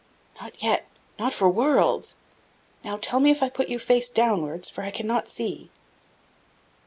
"Not yet not for worlds. Now tell me if I put you face downwards, for I cannot see."